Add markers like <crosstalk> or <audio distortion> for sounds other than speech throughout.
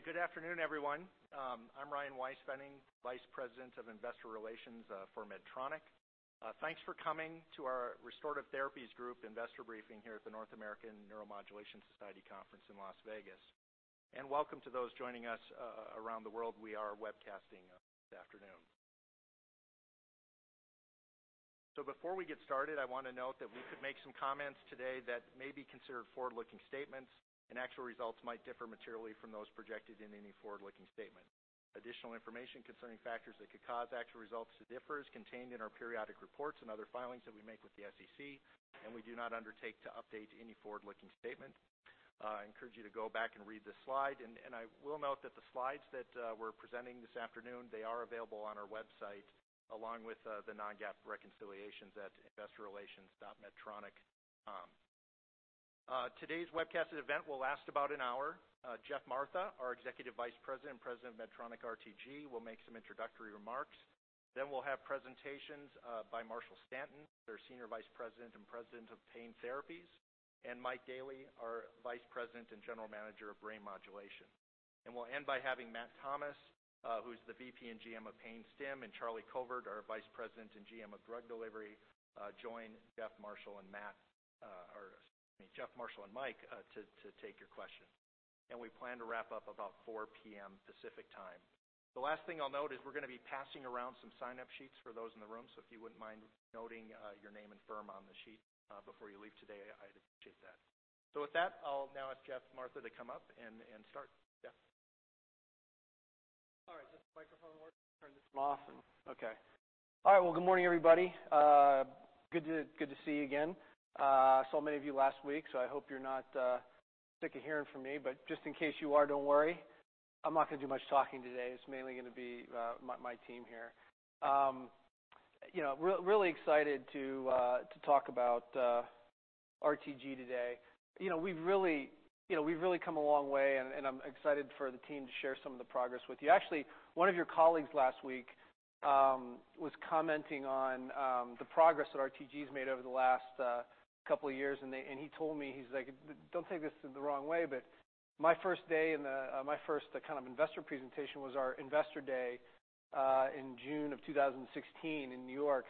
Okay, good afternoon, everyone. I'm Ryan Weispfenning, Vice President of Investor Relations for Medtronic. Thanks for coming to our Restorative Therapies Group investor briefing here at the North American Neuromodulation Society conference in Las Vegas. Welcome to those joining us around the world. We are webcasting this afternoon. Before we get started, I want to note that we could make some comments today that may be considered forward-looking statements, and actual results might differ materially from those projected in any forward-looking statement. Additional information concerning factors that could cause actual results to differ is contained in our periodic reports and other filings that we make with the SEC. We do not undertake to update any forward-looking statement. I encourage you to go back and read the slide. I will note that the slides that we're presenting this afternoon, they are available on our website, along with the non-GAAP reconciliations at investorrelations.medtronic.com. Today's webcasted event will last about an hour. Geoff Martha, our Executive Vice President and President of Medtronic Restorative Therapies Group, will make some introductory remarks. We'll have presentations by Marshall Stanton, our Senior Vice President and President of Pain Therapies, and Mike Daly, our Vice President and General Manager of Brain Modulation. We'll end by having Matt Thomas, who's the VP and GM of Pain Stim, and Charlie Covert, our Vice President and GM of Drug Delivery, join Geoff, Marshall, and Mike to take your questions. We plan to wrap up about 4:00 P.M. Pacific Time. The last thing I'll note is we're going to be passing around some sign-up sheets for those in the room, so if you wouldn't mind noting your name and firm on the sheet before you leave today, I'd appreciate that. With that, I'll now ask Geoff Martha to come up and start. Geoff? All right. Does this microphone work? Turn this off and okay. All right. Well, good morning, everybody. Good to see you again. I saw many of you last week, I hope you're not sick of hearing from me, just in case you are, don't worry. I'm not going to do much talking today. It's mainly going to be my team here. Really excited to talk about RTG today. We've really come a long way, I'm excited for the team to share some of the progress with you. Actually, one of your colleagues last week was commenting on the progress that RTG's made over the last couple of years, and he told me, he's like, "Don't take this the wrong way, but my first kind of investor presentation was our Investor Day in June of 2016 in New York."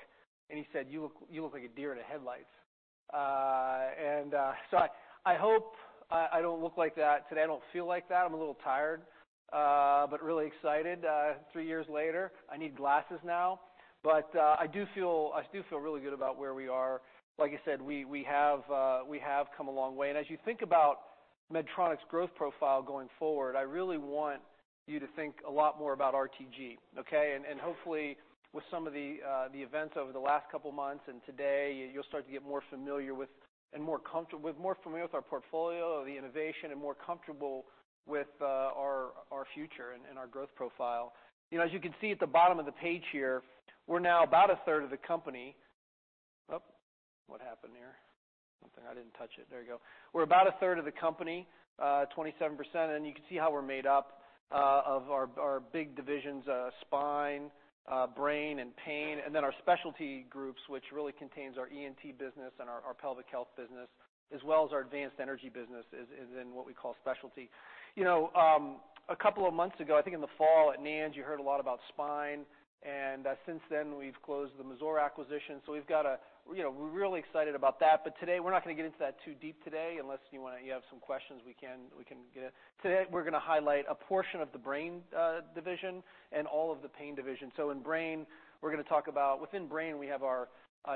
He said, "You looked like a deer in headlights." I hope I don't look like that today. I don't feel like that. I'm a little tired, but really excited three years later. I need glasses now. I do feel really good about where we are. Like I said, we have come a long way. As you think about Medtronic's growth profile going forward, I really want you to think a lot more about RTG, okay? Hopefully with some of the events over the last couple of months and today, you'll start to get more familiar with our portfolio, the innovation, and more comfortable with our future and our growth profile. As you can see at the bottom of the page here, we're now about a third of the company. Oh, what happened there? Something, I didn't touch it. There you go. We're about a third of the company, 27%, and you can see how we're made up of our big divisions, spine, brain, and pain, and then our specialty groups, which really contains our ENT business and our Pelvic Health business as well as our advanced energy business is in what we call specialty. A couple of months ago, I think in the fall at NANS, you heard a lot about spine, and since then we've closed the Mazor acquisition. We're really excited about that, but today we're not going to get into that too deep today unless you have some questions we can get. Today we're going to highlight a portion of the Brain Modulation division and all of the Pain Therapies division. In brain, we're going to talk about within brain, we have our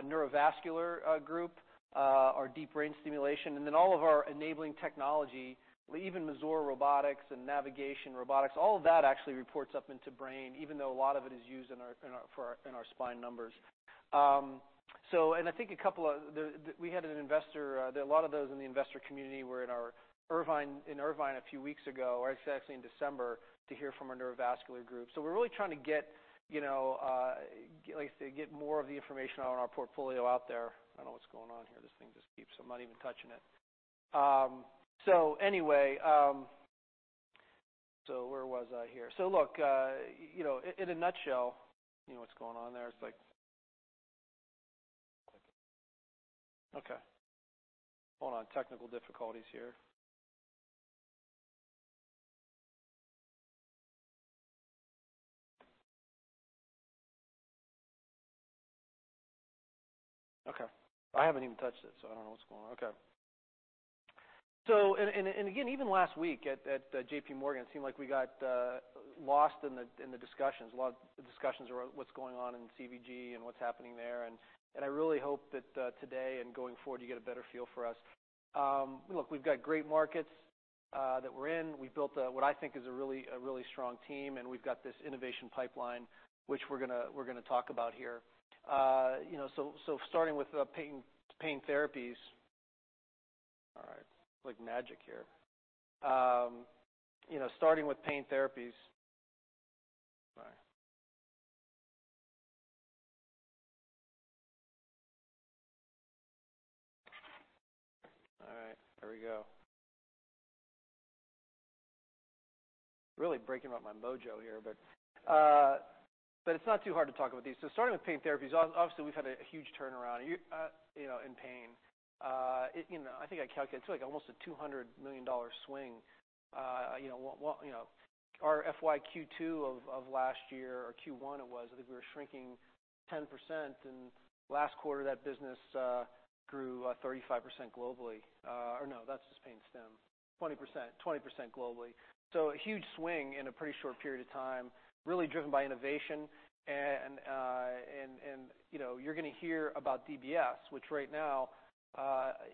neurovascular group, our deep brain stimulation, and then all of our enabling technology, even Mazor Robotics and navigation robotics. All of that actually reports up into Brain Modulation, even though a lot of it is used in our spine numbers. I think a lot of those in the investor community were in Irvine a few weeks ago, or actually in December, to hear from our neurovascular group. We're really trying to get more of the information on our portfolio out there. I don't know what's going on here. This thing just keeps. I'm not even touching it. Anyway. Where was I here? Look, in a nutshell. What's going on there? It's like Okay. Hold on. Technical difficulties here. Okay. I haven't even touched it, so I don't know what's going on. Okay. Again, even last week at JPMorgan, it seemed like we got lost in the discussions. A lot of the discussions were what's going on in Cardiac and Vascular Group and what's happening there, and I really hope that today and going forward, you get a better feel for us. Look, we've got great markets that we're in. We built what I think is a really strong team, and we've got this innovation pipeline, which we're going to talk about here. Starting with Pain Therapies. All right. It's like magic here. Starting with Pain Therapies. All right. All right, there we go. Really breaking up my mojo here. It's not too hard to talk about these. Starting with Pain Therapies, obviously, we've had a huge turnaround in pain. I think I calculated it's almost a $200 million swing. Our FY Q2 of last year, or Q1 it was, I think we were shrinking 10%, and last quarter that business grew 35% globally. Or no, that's just Pain Stim. 20% globally. A huge swing in a pretty short period of time, really driven by innovation. You're going to hear about DBS, which right now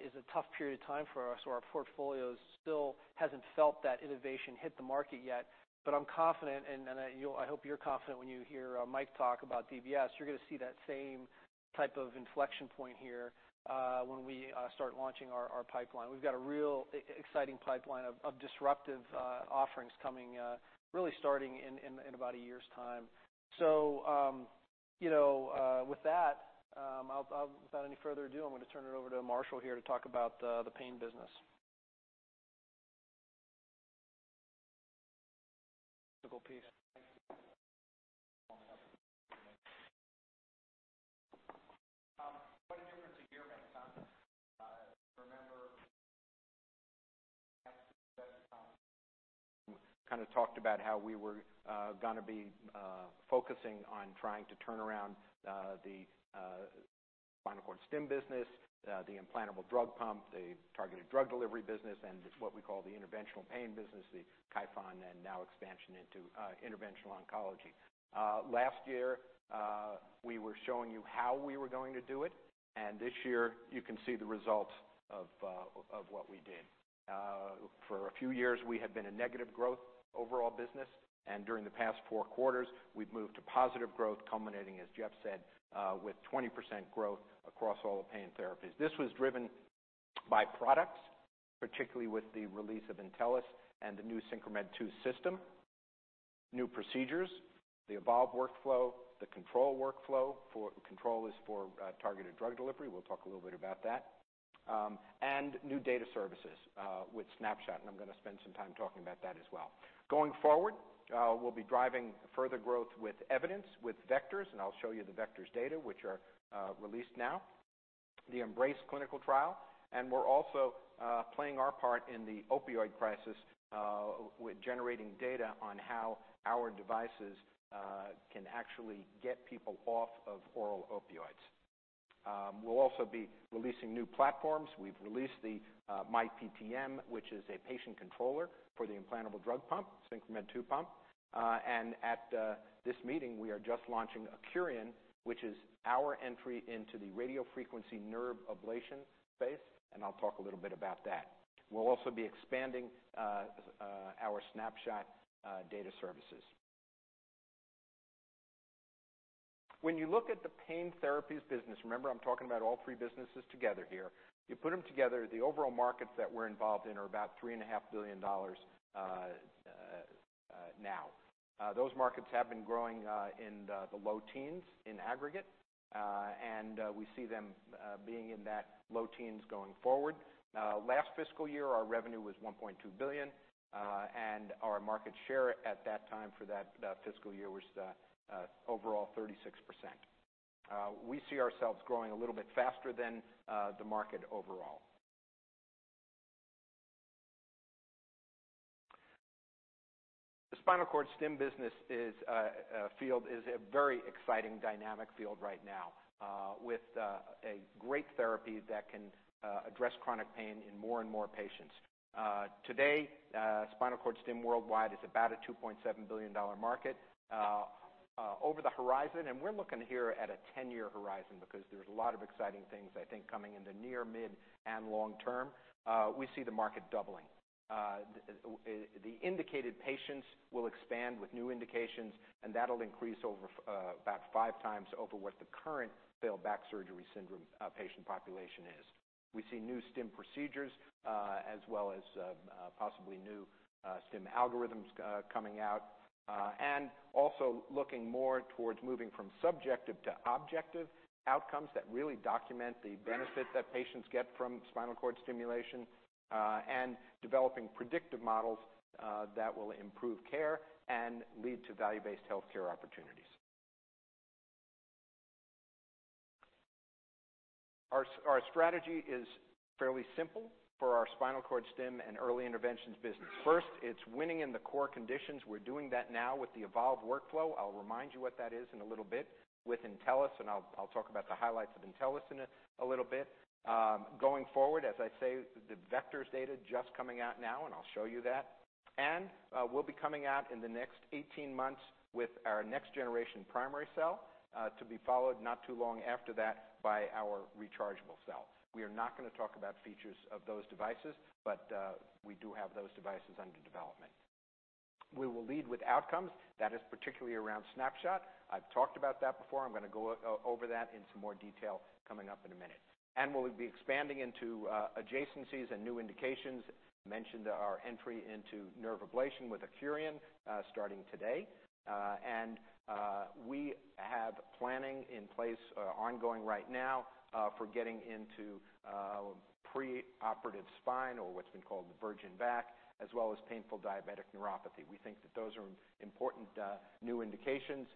is a tough period of time for us, where our portfolio still hasn't felt that innovation hit the market yet. I'm confident, and I hope you're confident when you hear Mike talk about deep brain stimulation. You're going to see that same type of inflection point here when we start launching our pipeline. We've got a real exciting pipeline of disruptive offerings coming, really starting in about a year's time. With that, without any further ado, I'm going to turn it over to Marshall Stanton here to talk about the pain business. <audio distortion> What a difference a year makes, huh? Remember <audio distortion> kind of talked about how we were going to be focusing on trying to turn around the spinal cord stim business, the implantable drug pump, the Targeted Drug Delivery business, and what we call the interventional pain business, the Kyphon, and now expansion into interventional oncology. Last year, we were showing you how we were going to do it. This year, you can see the results of what we did. For a few years, we had been a negative growth overall business. During the past four quarters, we've moved to positive growth, culminating, as Jeff said, with 20% growth across all of Pain Therapies. This was driven by products, particularly with the release of Intellis and the new SynchroMed II system, new procedures, the Evolve workflow, the Control Workflow. Control is for Targeted Drug Delivery. We'll talk a little bit about that. New data services with Snapshot, and I'm going to spend some time talking about that as well. Going forward, we'll be driving further growth with evidence, with Vectors, and I'll show you the Vectors data, which are released now, the EMBRACE clinical trial, and we're also playing our part in the opioid crisis with generating data on how our devices can actually get people off of oral opioids. We'll also be releasing new platforms. We've released the myPTM, which is a patient controller for the implantable drug pump, SynchroMed II pump. At this meeting, we are just launching Accurian, which is our entry into the radiofrequency nerve ablation space, and I'll talk a little bit about that. We'll also be expanding our Snapshot data services. When you look at the Pain Therapies business, remember I am talking about all three businesses together here, you put them together, the overall markets that we are involved in are about $3.5 billion now. Those markets have been growing in the low teens in aggregate, and we see them being in that low teens going forward. Last fiscal year, our revenue was $1.2 billion, and our market share at that time for that fiscal year was overall 36%. We see ourselves growing a little bit faster than the market overall. The spinal cord stim business field is a very exciting, dynamic field right now with a great therapy that can address chronic pain in more and more patients. Today, spinal cord stim worldwide is about a $2.7 billion market. Over the horizon, we are looking here at a 10-year horizon because there is a lot of exciting things, I think, coming in the near, mid, and long term, we see the market doubling. The indicated patients will expand with new indications, and that will increase over about five times over what the current failed back surgery syndrome patient population is. We see new stim procedures, as well as possibly new stim algorithms coming out, also looking more towards moving from subjective to objective outcomes that really document the benefit that patients get from spinal cord stimulation, and developing predictive models that will improve care and lead to value-based healthcare opportunities. Our strategy is fairly simple for our spinal cord stim and early interventions business. First, it is winning in the core conditions. We are doing that now with the Evolve workflow. I will remind you what that is in a little bit with Intellis, I will talk about the highlights of Intellis in a little bit. Going forward, as I say, the Vectors data just coming out now, I will show you that. We will be coming out in the next 18 months with our next-generation primary cell to be followed not too long after that by our rechargeable cell. We are not going to talk about features of those devices, but we do have those devices under development. We will lead with outcomes. That is particularly around Snapshot. I have talked about that before. I am going to go over that in some more detail coming up in a minute. We will be expanding into adjacencies and new indications. I mentioned our entry into nerve ablation with Accurian starting today. We have planning in place ongoing right now for getting into pre-operative spine or what has been called the virgin back, as well as painful diabetic neuropathy. We think that those are important new indications.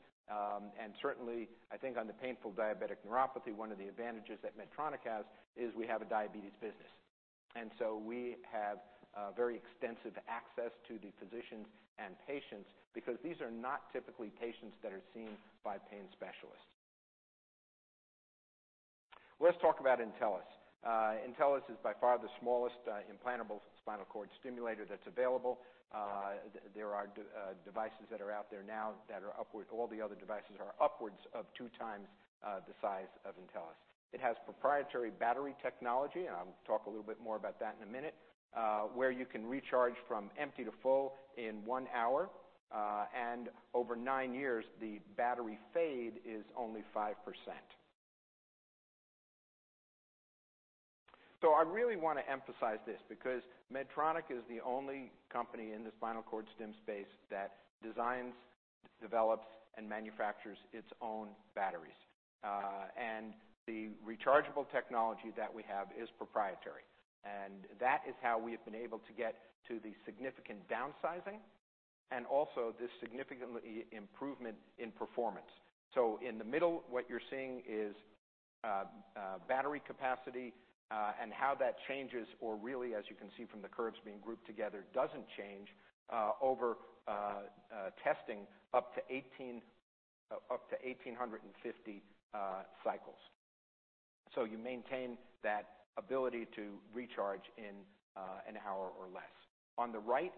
Certainly, I think on the painful diabetic neuropathy, one of the advantages that Medtronic has is we have a diabetes business. So we have very extensive access to the physicians and patients because these are not typically patients that are seen by pain specialists. Let us talk about Intellis. Intellis is by far the smallest implantable spinal cord stimulator that is available. There are devices that are out there now. All the other devices are upwards of two times the size of Intellis. It has proprietary battery technology, I will talk a little bit more about that in a minute, where you can recharge from empty to full in one hour. Over nine years, the battery fade is only 5%. I really want to emphasize this because Medtronic is the only company in the spinal cord stim space that designs, develops, and manufactures its own batteries. The rechargeable technology that we have is proprietary, and that is how we have been able to get to the significant downsizing and also the significant improvement in performance. In the middle, what you're seeing is battery capacity and how that changes, or really, as you can see from the curves being grouped together, doesn't change over testing up to 1,850 cycles. You maintain that ability to recharge in an hour or less. On the right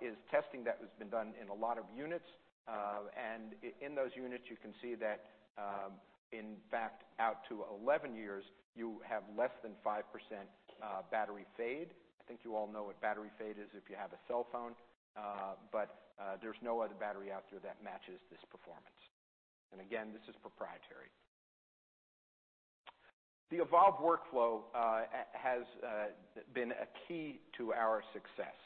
is testing that has been done in a lot of units. In those units, you can see that, in fact, out to 11 years, you have less than 5% battery fade. I think you all know what battery fade is if you have a cellphone. There's no other battery out there that matches this performance. Again, this is proprietary. The Evolve workflow has been a key to our success.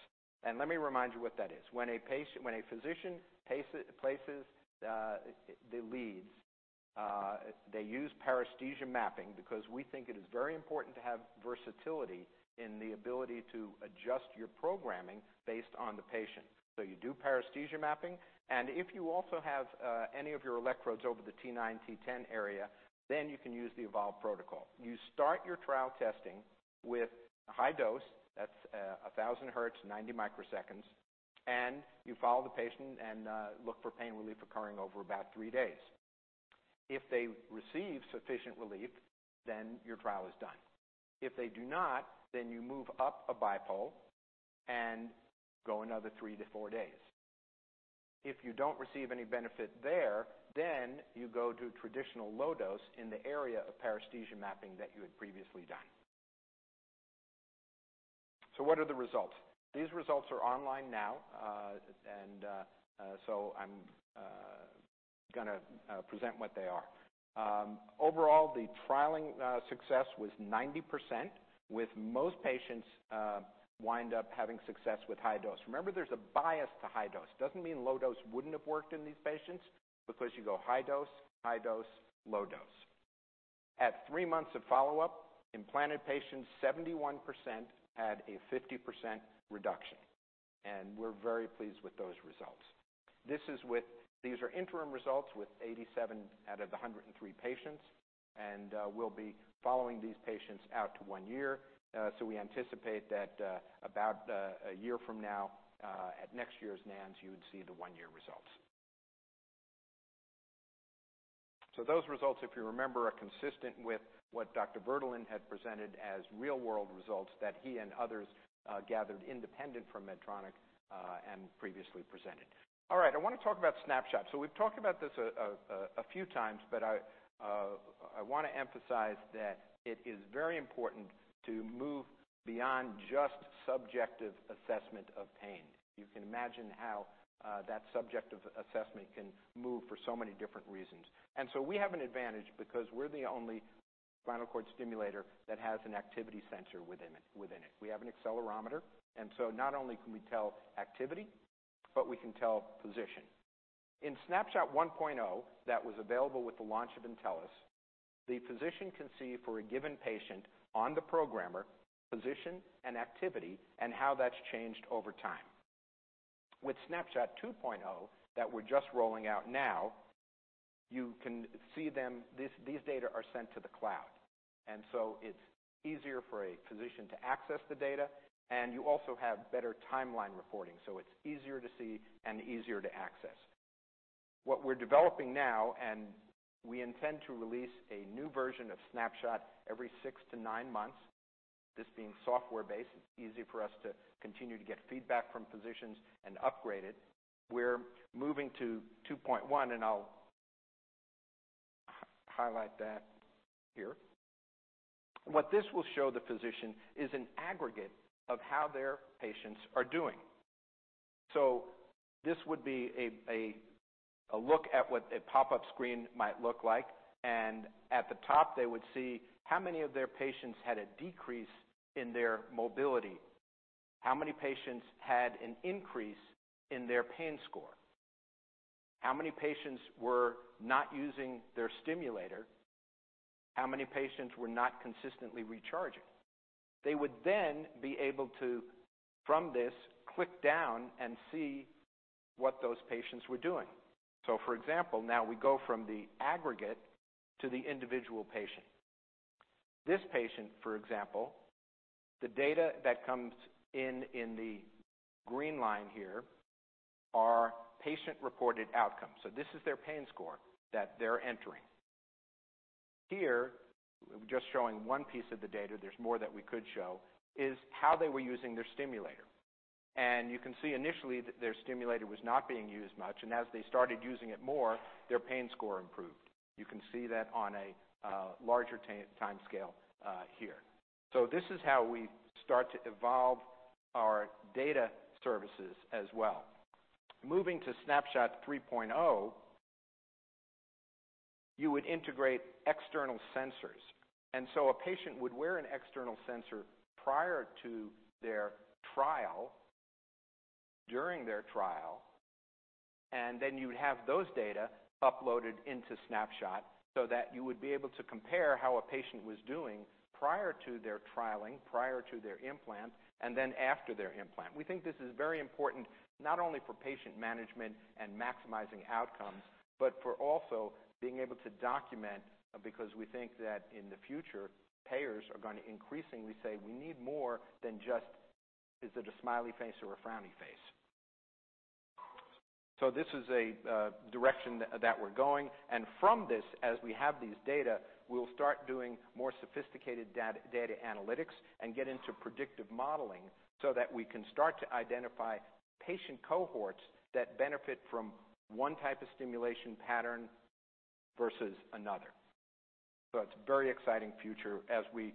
Let me remind you what that is. When a physician places the leads, they use paresthesia mapping because we think it is very important to have versatility in the ability to adjust your programming based on the patient. You do paresthesia mapping, and if you also have any of your electrodes over the T9, T10 area, you can use the Evolve protocol. You start your trial testing with a high dose. That's 1,000 hertz, 90 microseconds, and you follow the patient and look for pain relief occurring over about three days. If they receive sufficient relief, your trial is done. If they do not, you move up a bipolar and go another three to four days. If you don't receive any benefit there, you go to traditional low dose in the area of paresthesia mapping that you had previously done. What are the results? These results are online now. I'm going to present what they are. Overall, the trialing success was 90%, with most patients wind up having success with high dose. Remember, there's a bias to high dose. Doesn't mean low dose wouldn't have worked in these patients because you go high dose, high dose, low dose. At three months of follow-up, implanted patients, 71% had a 50% reduction, and we're very pleased with those results. These are interim results with 87 out of 103 patients, and we'll be following these patients out to one year. We anticipate that about a year from now, at next year's NANS, you would see the one-year results. Those results, if you remember, are consistent with what Dr. Bertoglio had presented as real-world results that he and others gathered independent from Medtronic and previously presented. All right. I want to talk about Snapshot. We've talked about this a few times, but I want to emphasize that it is very important to move beyond just subjective assessment of pain. You can imagine how that subjective assessment can move for so many different reasons. We have an advantage because we're the only spinal cord stimulator that has an activity sensor within it. We have an accelerometer, not only can we tell activity, but we can tell position. In Snapshot 1.0, that was available with the launch of Intellis, the physician can see for a given patient on the programmer, position and activity and how that's changed over time. With Snapshot 2.0 that we're just rolling out now, you can see these data are sent to the cloud. It's easier for a physician to access the data, and you also have better timeline reporting, so it's easier to see and easier to access. What we're developing now, and we intend to release a new version of Snapshot every six to nine months. This being software-based, it's easy for us to continue to get feedback from physicians and upgrade it. We're moving to Snapshot 2.1, and I'll highlight that here. What this will show the physician is an aggregate of how their patients are doing. This would be a look at what a pop-up screen might look like, and at the top, they would see how many of their patients had a decrease in their mobility. How many patients had an increase in their pain score? How many patients were not using their stimulator? How many patients were not consistently recharging? They would then be able to, from this, click down and see what those patients were doing. For example, now we go from the aggregate to the individual patient. This patient, for example, the data that comes in the green line here are patient-reported outcomes. This is their pain score that they're entering. Here, just showing one piece of the data, there's more that we could show, is how they were using their stimulator. You can see initially that their stimulator was not being used much, and as they started using it more, their pain score improved. You can see that on a larger timescale here. This is how we start to evolve our data services as well. Moving to Snapshot 3.0, you would integrate external sensors. A patient would wear an external sensor prior to their trial, during their trial, and then you would have those data uploaded into Snapshot so that you would be able to compare how a patient was doing prior to their trialing, prior to their implant, and then after their implant. We think this is very important, not only for patient management and maximizing outcomes, but for also being able to document, because we think that in the future, payers are going to increasingly say, "We need more than just, is it a smiley face or a frowny face?" This is a direction that we're going, and from this, as we have these data, we'll start doing more sophisticated data analytics and get into predictive modeling so that we can start to identify patient cohorts that benefit from one type of stimulation pattern versus another. It's a very exciting future as we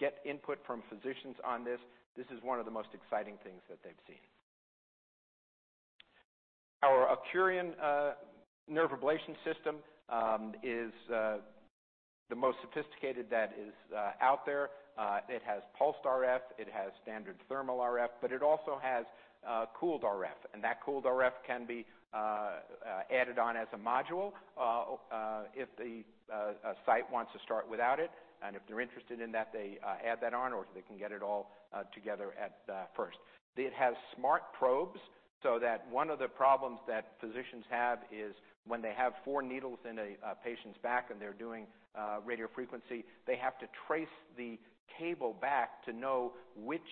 get input from physicians on this. This is one of the most exciting things that they've seen. Our Accurian nerve ablation system is the most sophisticated that is out there. It has pulsed radiofrequency, it has standard thermal RF. It also has cooled RF, That cooled RF can be added on as a module if the site wants to start without it. If they're interested in that, they add that on, or they can get it all together at first. It has smart probes. One of the problems that physicians have is when they have four needles in a patient's back and they're doing radiofrequency, they have to trace the cable back to know which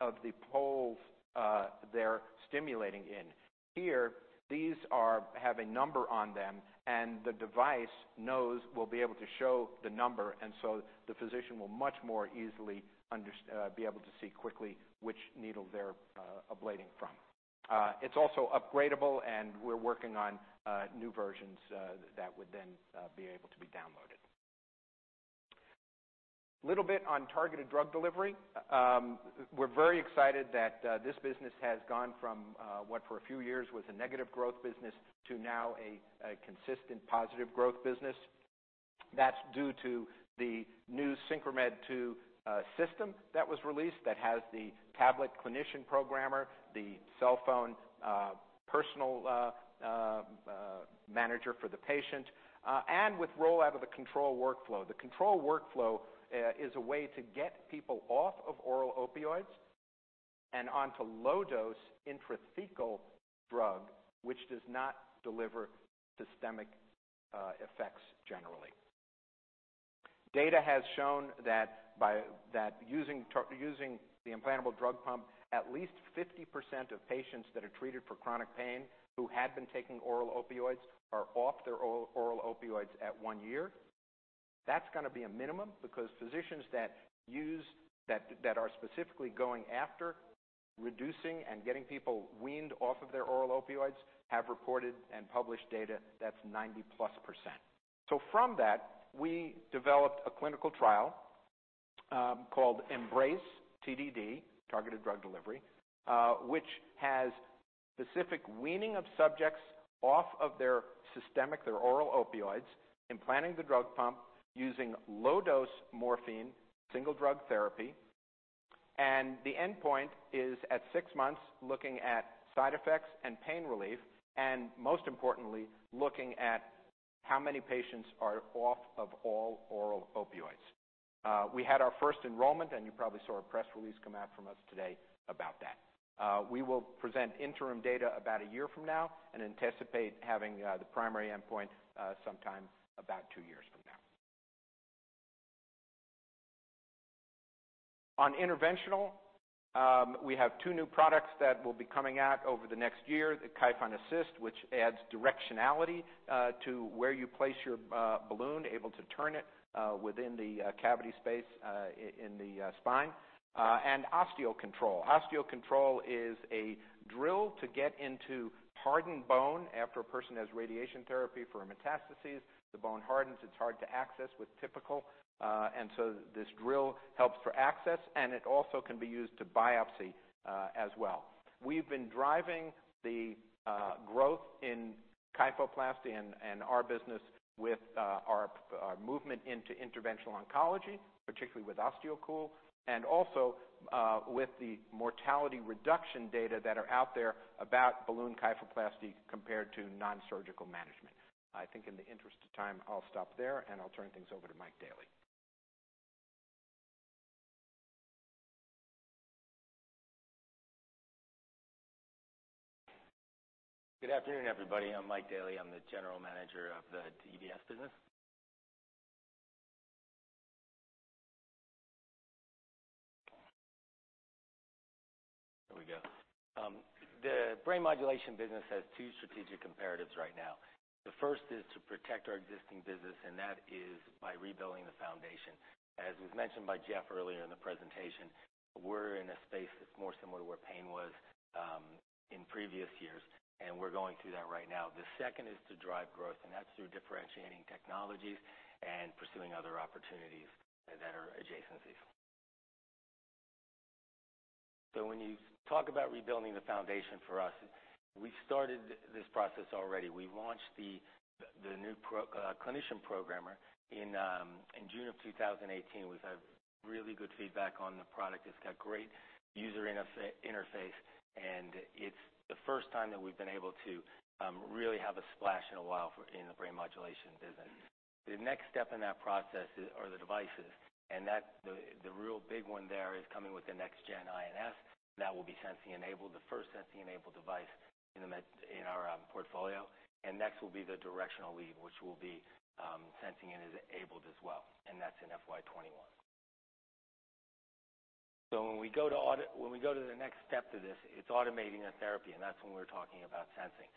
of the poles they're stimulating in. Here, these have a number on them. The device will be able to show the number, and so the physician will much more easily be able to see quickly which needle they're ablating from. It's also upgradable, and we're working on new versions that would then be able to be downloaded. Little bit on targeted drug delivery. We're very excited that this business has gone from what for a few years was a negative growth business to now a consistent positive growth business. That's due to the new SynchroMed II system that was released that has the tablet clinician programmer, the cell phone personal manager for the patient, and with rollout of the Control Workflow. The Control Workflow is a way to get people off of oral opioids and onto low-dose intrathecal drug, which does not deliver systemic effects generally. Data has shown that using the implantable drug pump, at least 50% of patients that are treated for chronic pain who had been taking oral opioids are off their oral opioids at one year. That's going to be a minimum because physicians that are specifically going after reducing and getting people weaned off of their oral opioids have reported and published data that's 90+%. From that, we developed a clinical trial called Embrace TDD, targeted drug delivery, which has specific weaning of subjects off of their systemic, their oral opioids, implanting the drug pump using low-dose morphine, single-drug therapy. The endpoint is at six months, looking at side effects and pain relief. Most importantly, looking at how many patients are off of all oral opioids. We had our first enrollment. You probably saw a press release come out from us today about that. We will present interim data about a year from now and anticipate having the primary endpoint sometime about two years from now. On interventional, we have two new products that will be coming out over the next year, the Kyphon Assist, which adds directionality to where you place your balloon, able to turn it within the cavity space in the spine, and OsteoCool. OsteoCool is a drill to get into hardened bone after a person has radiation therapy for metastases. The bone hardens. It's hard to access with typical. This drill helps for access, and it also can be used to biopsy as well. We've been driving the growth in kyphoplasty and our business with our movement into interventional oncology, particularly with OsteoCool, also with the mortality reduction data that are out there about balloon kyphoplasty compared to non-surgical management. I think in the interest of time, I'll stop there, and I'll turn things over to Mike Daly. Good afternoon, everybody. I'm Mike Daly. I'm the General Manager of the DBS business. There we go. The Brain Modulation business has two strategic imperatives right now. The first is to protect our existing business, and that is by rebuilding the foundation. As was mentioned by Geoff earlier in the presentation, we're in a space that's more similar to where Pain Therapies was in previous years, and we're going through that right now. The second is to drive growth, and that's through differentiating technologies and pursuing other opportunities that are adjacencies. When you talk about rebuilding the foundation for us, we started this process already. We launched the new clinician programmer in June of 2018. We've had really good feedback on the product. It's got great user interface, and it's the first time that we've been able to really have a splash in a while in the Brain Modulation business. The next step in that process are the devices, and the real big one there is coming with the next-gen implantable neurostimulator. That will be sensing-enabled, the first sensing-enabled device in our portfolio. Next will be the directional lead, which will be sensing-enabled as well, and that's in FY 2021. When we go to the next step to this, it's automating the therapy, and that's when we're talking about sensing.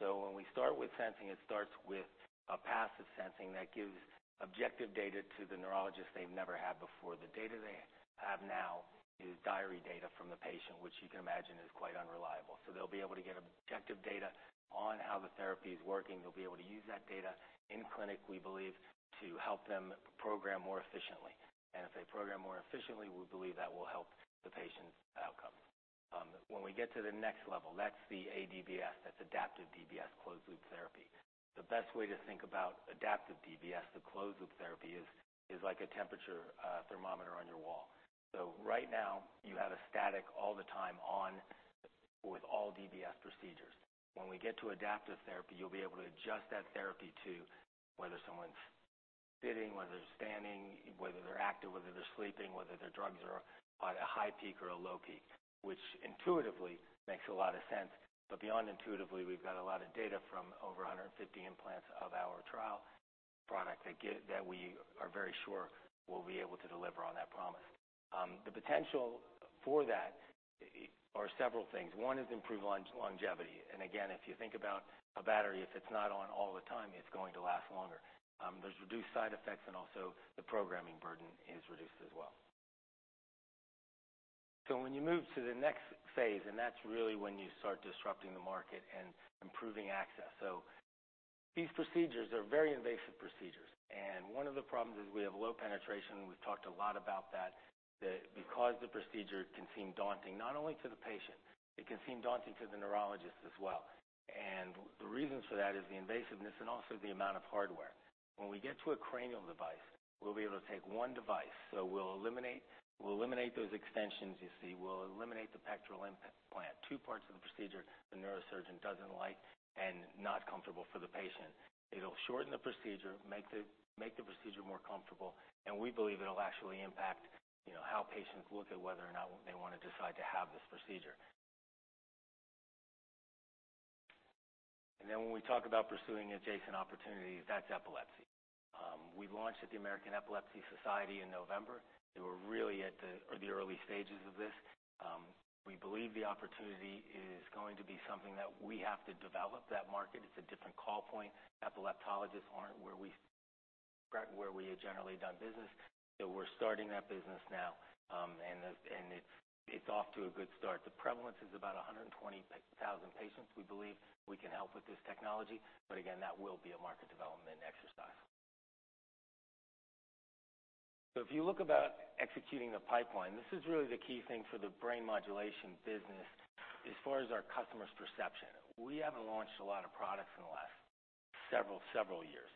When we start with sensing, it starts with a passive sensing that gives objective data to the neurologist they've never had before. The data they have now is diary data from the patient, which you can imagine is quite unreliable. They'll be able to get objective data on how the therapy is working. They'll be able to use that data in clinic, we believe, to help them program more efficiently. If they program more efficiently, we believe that will help the patients' outcomes. When we get to the next level, that's the adaptive deep brain stimulation, that's adaptive DBS closed loop therapy. The best way to think about adaptive DBS, the closed loop therapy, is like a temperature thermometer on your wall. Right now, you have a static all the time on with all DBS procedures. When we get to adaptive therapy, you'll be able to adjust that therapy to whether someone's sitting, whether they're standing, whether they're active, whether they're sleeping, whether their drugs are at a high peak or a low peak, which intuitively makes a lot of sense. Beyond intuitively, we've got a lot of data from over 150 implants of our trial product that we are very sure will be able to deliver on that promise. The potential for that are several things. One is improved longevity. Again, if you think about a battery, if it's not on all the time, it's going to last longer. There's reduced side effects and also the programming burden is reduced as well. When you move to the next phase, and that's really when you start disrupting the market and improving access. These procedures are very invasive procedures, and one of the problems is we have low penetration. We've talked a lot about that because the procedure can seem daunting, not only to the patient, it can seem daunting to the neurologist as well. The reasons for that is the invasiveness and also the amount of hardware. When we get to a cranial device, we'll be able to take one device. We'll eliminate those extensions you see. We'll eliminate the pectoral implant, two parts of the procedure the neurosurgeon doesn't like, and not comfortable for the patient. It'll shorten the procedure, make the procedure more comfortable, and we believe it'll actually impact how patients look at whether or not they want to decide to have this procedure. When we talk about pursuing adjacent opportunities, that's epilepsy. We launched at the American Epilepsy Society in November. We're really at the early stages of this. We believe the opportunity is going to be something that we have to develop that market. It's a different call point. Epileptologists aren't where we have generally done business. We're starting that business now. It's off to a good start. The prevalence is about 120,000 patients we believe we can help with this technology. Again, that will be a market development exercise. If you look about executing the pipeline, this is really the key thing for the Brain Modulation business as far as our customers' perception. We haven't launched a lot of products in the last several years,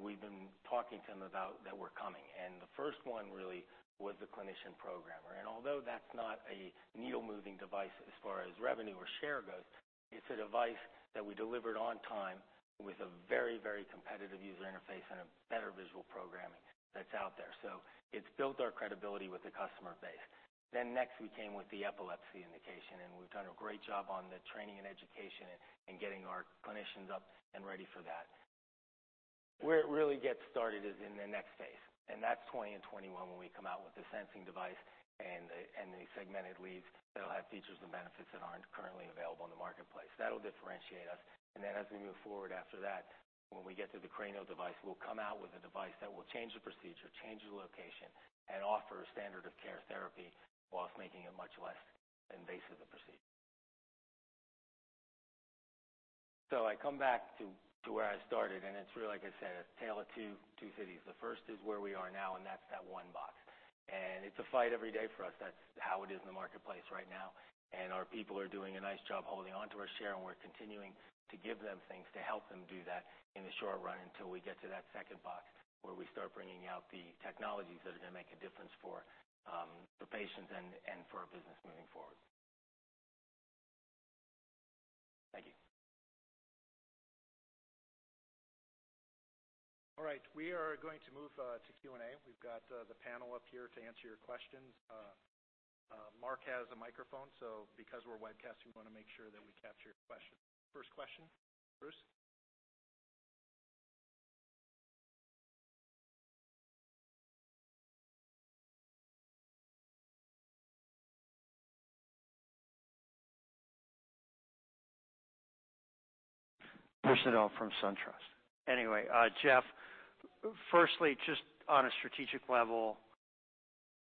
we've been talking to them about that we're coming. The first one really was the clinician programmer. Although that's not a needle-moving device as far as revenue or share goes, it's a device that we delivered on time with a very competitive user interface and a better visual programming that's out there. It's built our credibility with the customer base. Next we came with the epilepsy indication, we've done a great job on the training and education and getting our clinicians up and ready for that. Where it really gets started is in the next phase, that's 2020 and 2021 when we come out with the sensing device and the segmented leads that'll have features and benefits that aren't currently available in the marketplace. That'll differentiate us. As we move forward after that, when we get to the cranial device, we'll come out with a device that will change the procedure, change the location, and offer a standard of care therapy whilst making it much less invasive a procedure. I come back to where I started, it's really, like I said, a tale of two cities. The first is where we are now, that's that one box. It's a fight every day for us. That's how it is in the marketplace right now, our people are doing a nice job holding onto our share, we're continuing to give them things to help them do that in the short run until we get to that second box where we start bringing out the technologies that are going to make a difference for patients and for our business moving forward. Thank you. We are going to move to Q&A. We've got the panel up here to answer your questions. Mark has a microphone, so because we're webcasting, we want to make sure that we capture your question. First question, Bruce? Bruce Nudell from SunTrust Robinson Humphrey. Anyway, Geoff, firstly, just on a strategic level,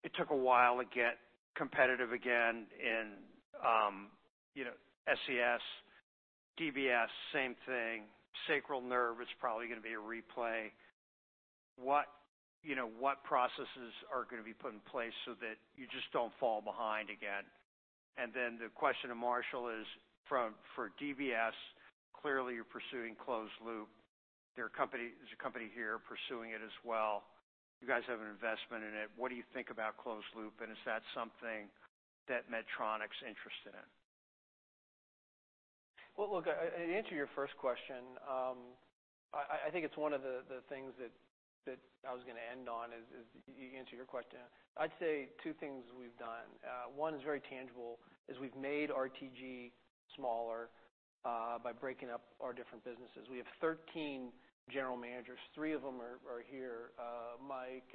it took a while to get competitive again in spinal cord stimulation. DBS, same thing. Sacral nerve is probably going to be a replay. What processes are going to be put in place so that you just don't fall behind again? Then the question to Marshall is, for DBS, clearly you're pursuing closed loop. There's a company here pursuing it as well. You guys have an investment in it. What do you think about closed loop, and is that something that Medtronic's interested in? Well, look, to answer your first question, I think it's one of the things that I was going to end on is, you answer your question. I'd say two things we've done. One is very tangible, is we've made RTG smaller by breaking up our different businesses. We have 13 general managers. Three of them are here, Mike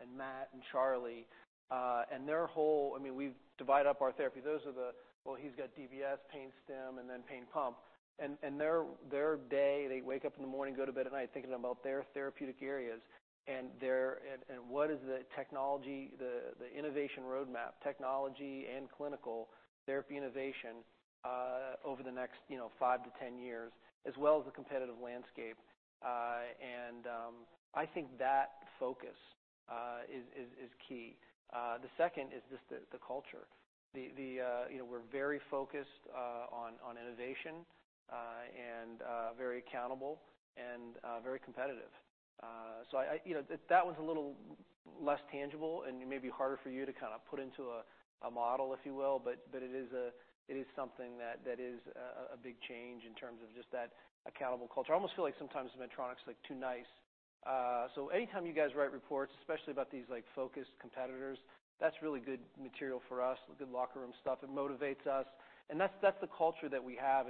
and Matt and Charlie. We've divided up our therapy. Well, he's got DBS, Pain Stim, and then pain pump. Their day, they wake up in the morning, go to bed at night, thinking about their therapeutic areas and what is the technology, the innovation roadmap, technology and clinical therapy innovation over the next five to 10 years, as well as the competitive landscape. I think that focus is key. The second is just the culture. We're very focused on innovation and very accountable and very competitive. That one's a little less tangible and may be harder for you to put into a model, if you will. It is something that is a big change in terms of just that accountable culture. I almost feel like sometimes Medtronic's too nice. Anytime you guys write reports, especially about these focused competitors, that's really good material for us, good locker room stuff. It motivates us. That's the culture that we have.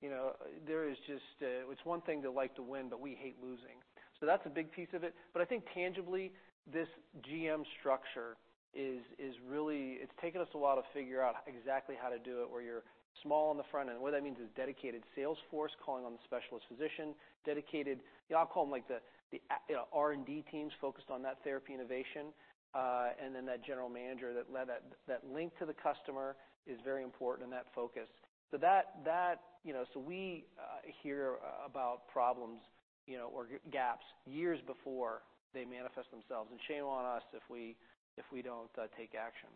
It's one thing to like to win, but we hate losing. That's a big piece of it. I think tangibly, this GM structure is really. It's taken us a while to figure out exactly how to do it, where you're small on the front end. What that means is dedicated sales force calling on the specialist physician, dedicated, I'll call them the R&D teams focused on that therapy innovation. That general manager that link to the customer is very important and that focus. We hear about problems or gaps years before they manifest themselves, and shame on us if we don't take action.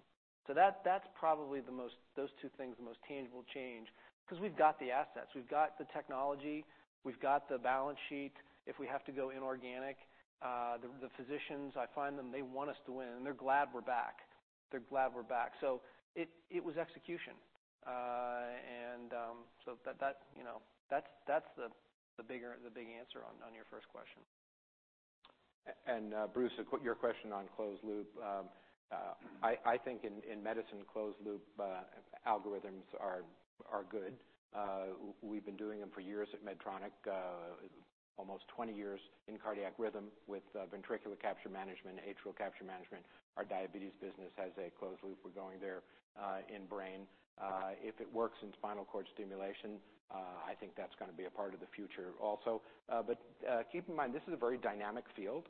That's probably, those two things, the most tangible change because we've got the assets. We've got the technology. We've got the balance sheet. If we have to go inorganic, the physicians, I find them, they want us to win, and they're glad we're back. They're glad we're back. It was execution. That's the big answer on your first question. Bruce, your question on closed loop. I think in medicine, closed loop algorithms are good. We've been doing them for years at Medtronic, almost 20 years in Ventricular Capture Management, Atrial Capture Management. Our diabetes business has a closed loop. We're going there in brain. If it works in spinal cord stimulation, I think that's going to be a part of the future also. Keep in mind, this is a very dynamic field.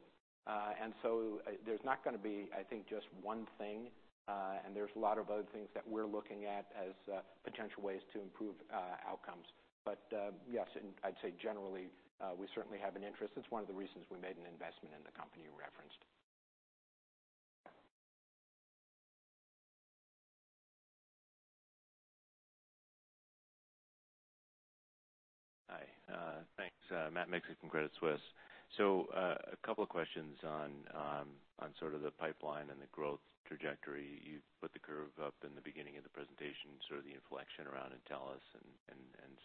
There's not going to be, I think, just one thing, and there's a lot of other things that we're looking at as potential ways to improve outcomes. Yes, I'd say generally, we certainly have an interest. It's one of the reasons we made an investment in the company you referenced. Hi. Thanks. Matt Miksic from Credit Suisse. A couple of questions on sort of the pipeline and the growth trajectory. You put the curve up in the beginning of the presentation, sort of the inflection around Intellis and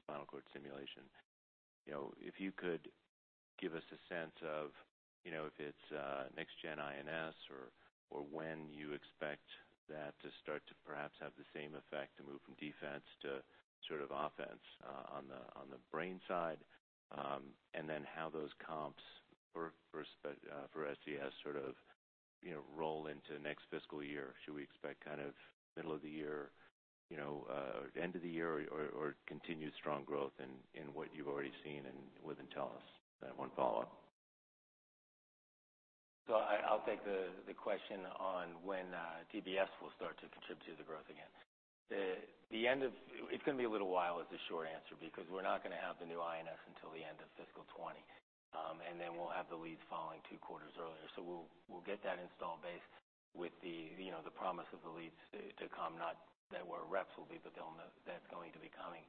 spinal cord stimulation. If you could give us a sense of if it's next-gen INS or when you expect that to start to perhaps have the same effect, to move from defense to sort of offense on the brain side, and how those comps for SCS sort of roll into next fiscal year. Should we expect kind of middle of the year, end of the year, or continued strong growth in what you've already seen within Intellis? One follow-up. I'll take the question on when DBS will start to contribute to the growth again. It's going to be a little while is the short answer, because we're not going to have the new INS until the end of fiscal 2020. We'll have the leads following two quarters earlier. We'll get that installed base with the promise of the leads to come, not there where reps will be, but that's going to be coming.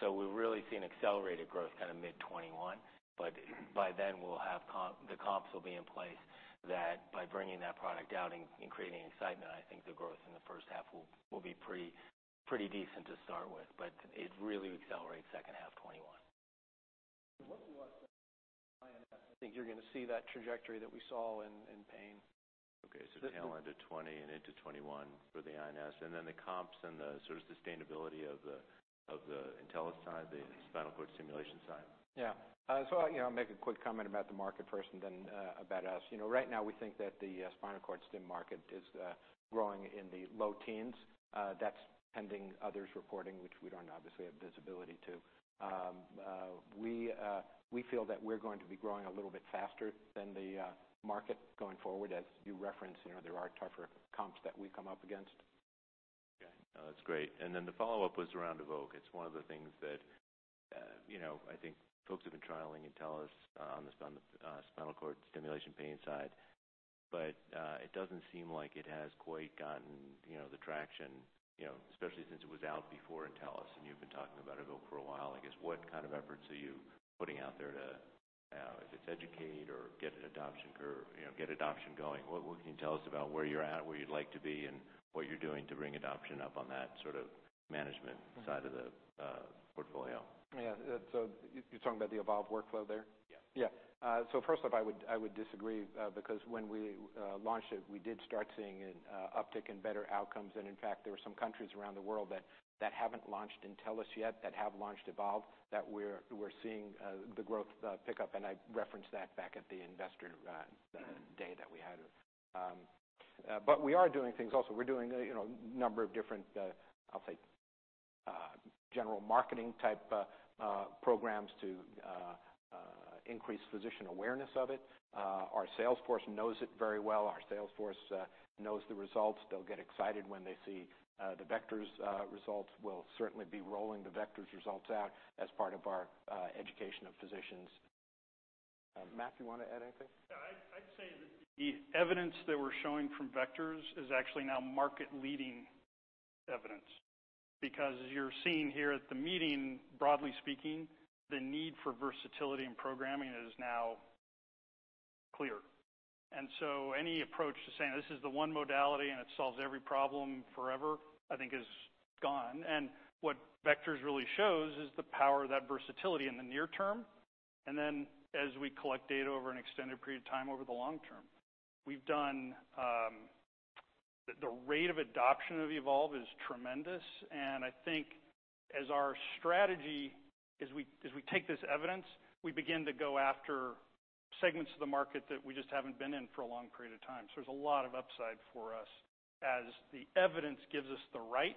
We'll really see an accelerated growth kind of mid 2021. By then the comps will be in place that by bringing that product out and creating excitement, I think the growth in the first half will be pretty decent to start with, but it really accelerates second half 2021. <audio distortion> I think you're going to see that trajectory that we saw in pain. Okay, tail into 2020 and into 2021 for the INS, and then the comps and the sort of sustainability of the Intellis side, the spinal cord stimulation side. I'll make a quick comment about the market first and then about us. Right now, we think that the spinal cord stim market is growing in the low teens. That's pending others reporting, which we don't obviously have visibility to. We feel that we're going to be growing a little bit faster than the market going forward. As you reference, there are tougher comps that we come up against. Okay. No, that's great. The follow-up was around Evoke. It's one of the things that I think folks have been trialing Intellis on the spinal cord stimulation pain side. It doesn't seem like it has quite gotten the traction, especially since it was out before Intellis, and you've been talking about Evoke for a while, I guess. What kind of efforts are you putting out there to, if it's educate or get an adoption curve, get adoption going? What can you tell us about where you're at, where you'd like to be, and what you're doing to bring adoption up on that sort of management side of the portfolio? Yeah. You're talking about the Evolve workflow there? Yeah. Yeah. First off, I would disagree because when we launched it, we did start seeing an uptick in better outcomes, and in fact, there were some countries around the world that haven't launched Intellis yet, that have launched Evolve, that we're seeing the growth pickup. I referenced that back at the Investor Day that we had. We are doing things also. We're doing a number of different, I'll say general marketing type programs to increase physician awareness of it. Our sales force knows it very well. Our sales force knows the results. They'll get excited when they see the Vectors results. We'll certainly be rolling the Vectors results out as part of our education of physicians. Matt, you want to add anything? Yeah, I'd say that the evidence that we're showing from Vectors is actually now market-leading evidence because as you're seeing here at the meeting, broadly speaking, the need for versatility in programming is now clear. Any approach to saying this is the one modality and it solves every problem forever, I think is gone. What Vectors really shows is the power of that versatility in the near term, and then as we collect data over an extended period of time over the long term. The rate of adoption of Evolve is tremendous, I think as our strategy is we take this evidence, we begin to go after segments of the market that we just haven't been in for a long period of time. There's a lot of upside for us as the evidence gives us the right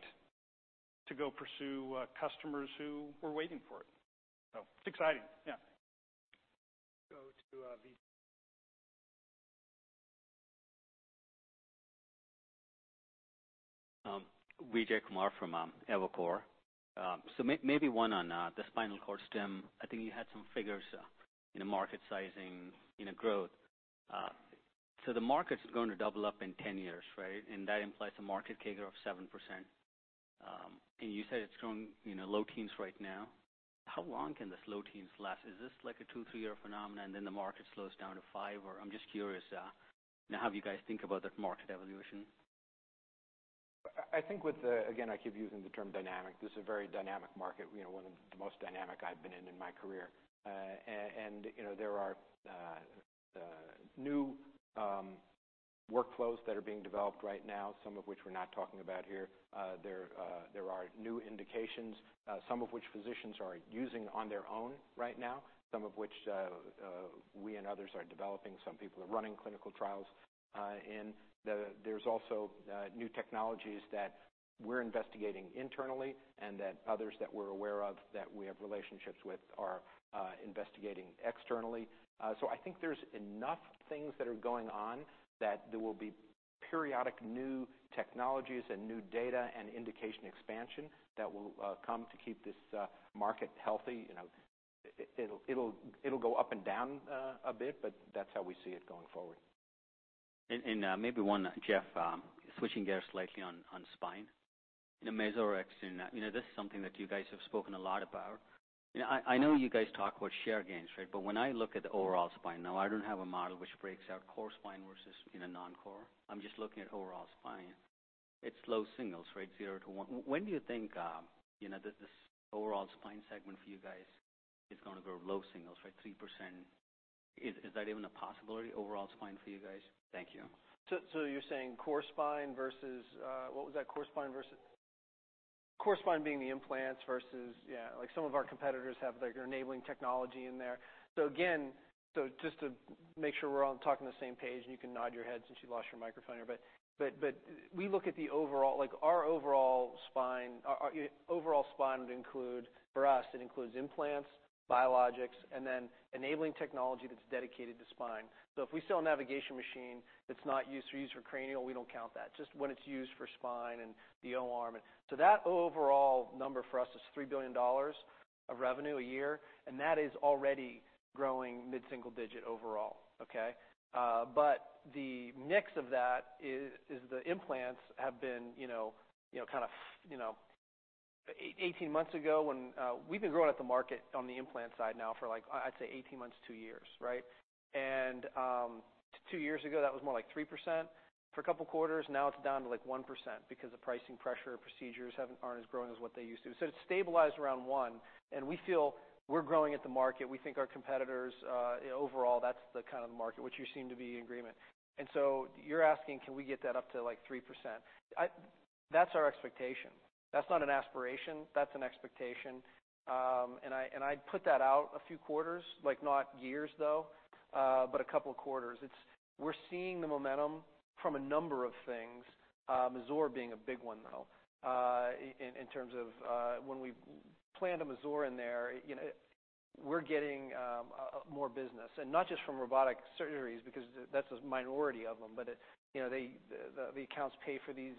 to go pursue customers who were waiting for it. It's exciting. Yeah. Go to Vijay. Vijay Kumar from Evercore ISI. Maybe one on the spinal cord stim. I think you had some figures in the market sizing growth. The market's going to double up in 10 years, right? That implies a market CAGR of 7%. You said it's growing low teens right now. How long can this low teens last? Is this like a two, three-year phenomenon, then the market slows down to five? I'm just curious now how you guys think about that market evolution. I think with the, again, I keep using the term dynamic. This is a very dynamic market, one of the most dynamic I've been in in my career. There are new workflows that are being developed right now, some of which we're not talking about here. There are new indications, some of which physicians are using on their own right now. Some of which we and others are developing. Some people are running clinical trials. There's also new technologies that we're investigating internally and that others that we're aware of, that we have relationships with, are investigating externally. I think there's enough things that are going on that there will be periodic new technologies and new data and indication expansion that will come to keep this market healthy. It'll go up and down a bit, but that's how we see it going forward. Maybe one, Geoff, switching gears slightly on spine. Mazor X, this is something that you guys have spoken a lot about. I know you guys talk about share gains, right? When I look at the overall spine, now I don't have a model which breaks out core spine versus non-core. I'm just looking at overall spine. It's low singles, right? Zero to one. When do you think this overall spine segment for you guys is going to grow low singles, right? 3%. Is that even a possibility overall spine for you guys? Thank you. You're saying core spine versus what was that? Core spine being the implants versus, yeah, like some of our competitors have their enabling technology in there. Again, just to make sure we're all talking the same page, and you can nod your head since you lost your microphone here, but we look at the overall, like our overall spine would include for us, it includes implants, biologics, and then enabling technology that's dedicated to spine. If we sell a navigation machine that's not used for cranial, we don't count that. Just when it's used for spine and the O-arm. That overall number for us is $3 billion of revenue a year, and that is already growing mid-single digit overall. Okay? The mix of that is the implants have been kind of, 18 months ago, we've been growing at the market on the implant side now for I'd say 18 months to two years, right? Two years ago, that was more like 3% for a couple of quarters. Now it's down to 1% because the pricing pressure procedures aren't as growing as what they used to. It's stabilized around 1%, and we feel we're growing at the market. We think our competitors, overall, that's the kind of the market, which you seem to be in agreement. You're asking, can we get that up to 3%? That's our expectation. That's not an aspiration. That's an expectation. I'd put that out a few quarters, not years, though, but a couple of quarters. We're seeing the momentum from a number of things, Mazor being a big one, though, in terms of when we plant a Mazor in there, we're getting more business. Not just from robotic surgeries, because that's a minority of them, but the accounts pay for these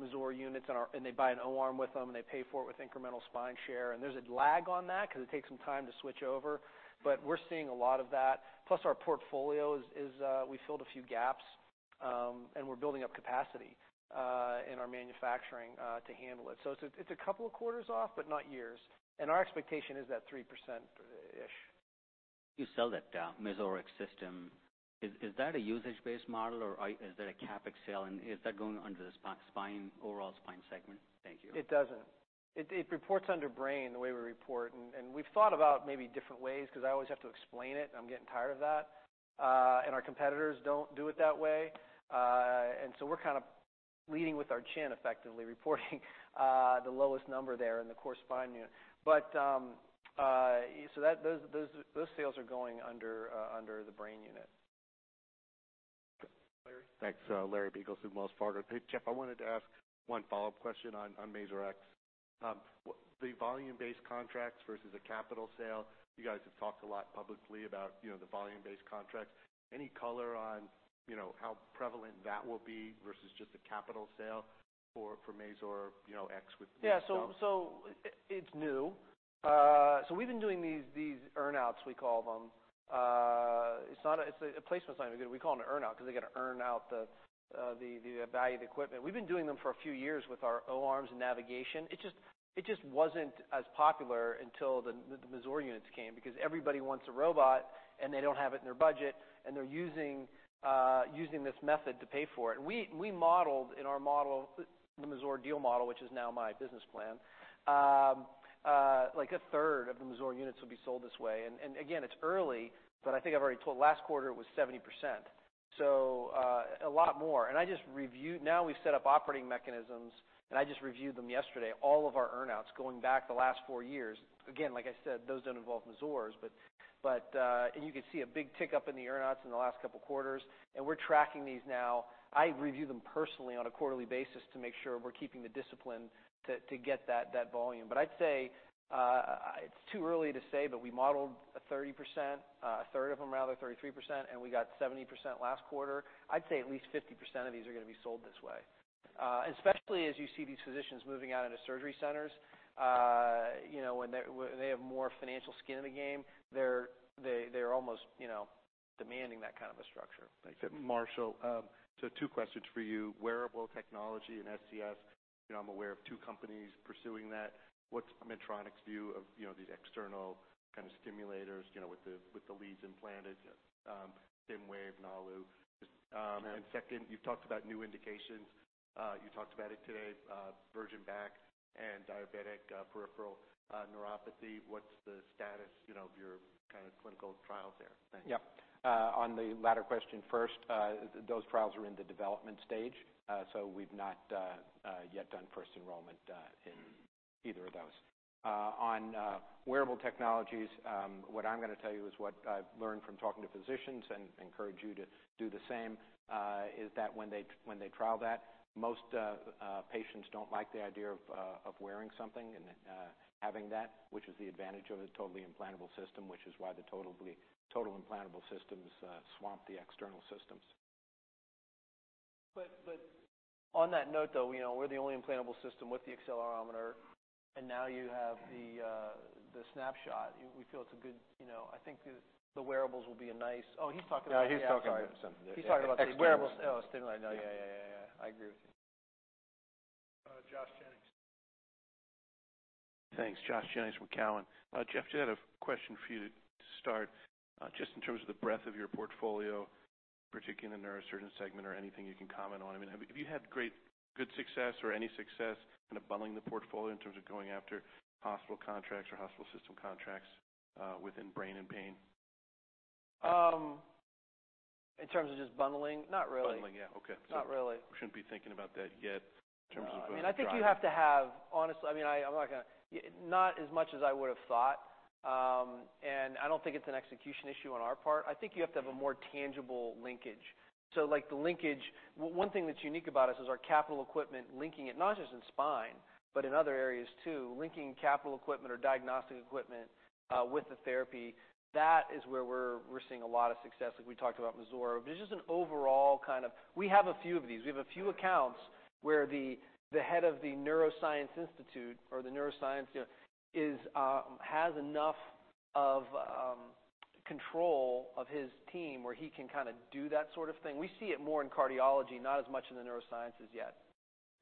Mazor units, and they buy an O-arm with them, and they pay for it with incremental spine share. There's a lag on that because it takes some time to switch over, but we're seeing a lot of that. Our portfolio is we filled a few gaps, and we're building up capacity in our manufacturing to handle it. It's a couple of quarters off, but not years. Our expectation is that 3%-ish. You sell that Mazor X system. Is that a usage-based model, or is that a CapEx sale, is that going under the overall spine segment? Thank you. It doesn't. It reports under Brain, the way we report, we've thought about maybe different ways because I always have to explain it and I'm getting tired of that. Our competitors don't do it that way. We're kind of leading with our chin, effectively, reporting the lowest number there in the core spine unit. Those sales are going under the Brain unit. Larry. Thanks. Larry Biegelsen, Wells Fargo Securities. Hey, Geoff, I wanted to ask one follow-up question on Mazor X. The volume-based contracts versus a capital sale. You guys have talked a lot publicly about the volume-based contracts. Any color on how prevalent that will be versus just a capital sale for Mazor X. Yeah. It's new. We've been doing these earn-outs, we call them. It's a placement signing. We call it an earn-out because they got to earn out the value of the equipment. We've been doing them for a few years with our O-arm and navigation. It just wasn't as popular until the Mazor units came because everybody wants a robot, and they don't have it in their budget, and they're using this method to pay for it. We modeled in our model, the Mazor deal model, which is now my business plan, like a third of the Mazor units will be sold this way. Again, it's early, but I think I've already told last quarter it was 70%. A lot more. We've set up operating mechanisms, and I just reviewed them yesterday, all of our earn-outs going back the last four years. Like I said, those don't involve Mazor, and you could see a big tick up in the earn-outs in the last couple of quarters. We're tracking these now. I review them personally on a quarterly basis to make sure we're keeping the discipline to get that volume. I'd say it's too early to say, but we modeled a 30%, a third of them, rather 33%, and we got 70% last quarter. I'd say at least 50% of these are going to be sold this way. Especially as you see these physicians moving out into surgery centers, when they have more financial skin in the game, they're almost demanding that kind of a structure. Thanks. Marshall, two questions for you. Wearable technology and SCS. I'm aware of two companies pursuing that. What's Medtronic's view of these external kind of stimulators with the leads implanted, Stimwave, Nalu? Yeah. Second, you've talked about new indications. You talked about it today, virgin back and painful diabetic neuropathy. What's the status of your kind of clinical trials there? Thanks. Yep. On the latter question first, those trials are in the development stage. We've not yet done first enrollment in either of those. On wearable technologies, what I'm going to tell you is what I've learned from talking to physicians and encourage you to do the same, is that when they trial that, most patients don't like the idea of wearing something and having that, which is the advantage of a totally implantable system, which is why the total implantable systems swamp the external systems. On that note, though, we're the only implantable system with the accelerometer, and now you have the Snapshot. <crosstalk> No, he's talking about something different. He's talking about the <crosstalk> wearables. Oh, stimulator. No, yeah. I agree with you. Josh Jennings. Thanks. Josh Jennings from Cowen and Company. Geoff, just had a question for you to start. Just in terms of the breadth of your portfolio, particularly in the neurosurgeon segment or anything you can comment on. Have you had good success or any success kind of bundling the portfolio in terms of going after hospital contracts or hospital system contracts within brain and pain? In terms of just bundling? Not really. Bundling, yeah. Okay. Not really. Shouldn't be thinking about that yet in terms of. <crosstalk> I think you have to have, honestly, not as much as I would've thought. I don't think it's an execution issue on our part. I think you have to have a more tangible linkage. Like the linkage, one thing that's unique about us is our capital equipment linking it, not just in spine, but in other areas, too, linking capital equipment or diagnostic equipment with the therapy. That is where we're seeing a lot of success, like we talked about Mazor. There's just an overall kind of We have a few of these. We have a few accounts where the head of the Neuroscience institute or the Neuroscience has enough of control of his team where he can do that sort of thing. We see it more in cardiology, not as much in the neurosciences yet.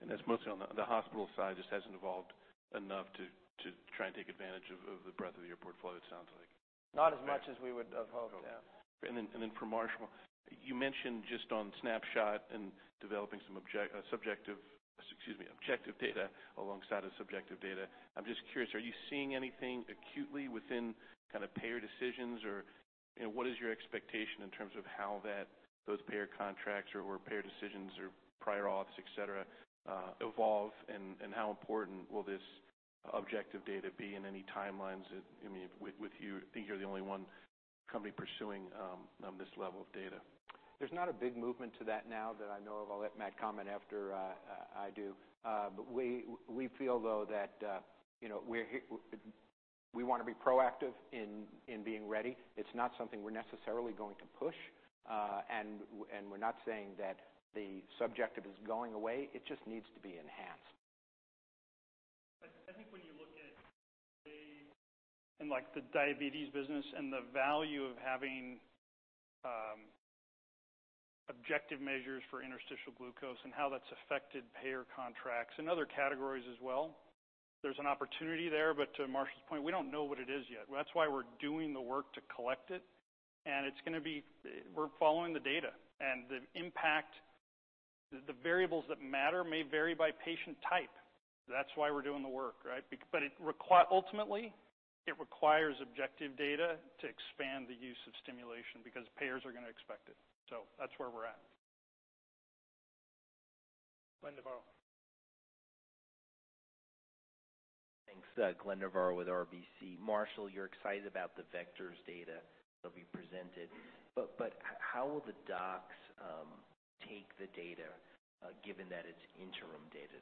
That's mostly on the hospital side, just hasn't evolved enough to try and take advantage of the breadth of your portfolio, it sounds like. Not as much as we would have hoped. Yeah. For Marshall, you mentioned just on Snapshot and developing some objective data alongside of subjective data. I'm just curious, are you seeing anything acutely within payer decisions? Or what is your expectation in terms of how those payer contracts or payer decisions or prior authorizations, et cetera, evolve, and how important will this objective data be, and any timelines with you? I think you're the only one company pursuing this level of data. There's not a big movement to that now that I know of. I'll let Matt comment after I do. We feel though that we want to be proactive in being ready. It's not something we're necessarily going to push, and we're not saying that the subjective is going away. It just needs to be enhanced. I think when you look at the diabetes business and the value of having objective measures for interstitial glucose and how that's affected payer contracts and other categories as well, there's an opportunity there. To Marshall's point, we don't know what it is yet. That's why we're doing the work to collect it, and we're following the data and the impact. The variables that matter may vary by patient type. That's why we're doing the work, right? Ultimately, it requires objective data to expand the use of stimulation because payers are going to expect it. That's where we're at. Glen Novarro. Thanks. Glen Novarro with RBC Capital Markets. Marshall, you're excited about the Vectors data that'll be presented. How will the docs take the data, given that it's interim data?